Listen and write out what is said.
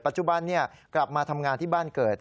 จุบันกลับมาทำงานที่บ้านเกิด